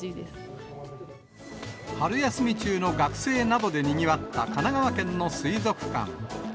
春休み中の学生などでにぎわった神奈川県の水族館。